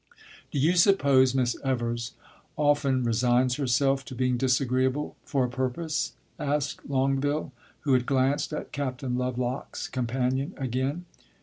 "Do you suppose Miss Evers often resigns herself to being disagreeable for a purpose?" asked Longueville, who had glanced at Captain Lovelock's companion again.